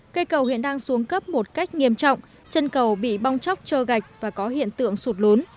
cây cầu hiện đang xuống cấp một cách nghiêm trọng chân cầu bị bong chóc trơ gạch và có hiện tượng sụt lún